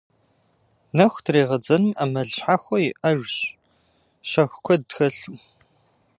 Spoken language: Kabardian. Нэху трегъэдзэным ӏэмал щхьэхуэ иӏэжщ, щэху куэд хэлъу.